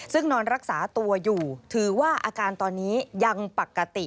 ซึ่งนอนรักษาตัวอยู่ถือว่าอาการตอนนี้ยังปกติ